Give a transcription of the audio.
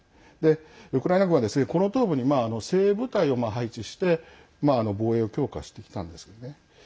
ウクライナ軍はこの東部に精鋭部隊を配置して防衛を強化してきたんですよね。